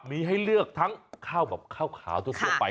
มีให้เลือกทั้งข้าวแบบข้าวขาวทั่วไป